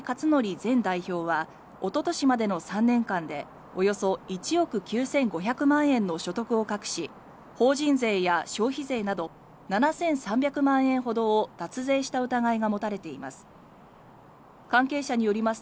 前代表はおととしまでの３年間でおよそ１億９５００万円の所得を隠し法人税や消費税など７３００万円ほどを脱税した疑いが持たれています。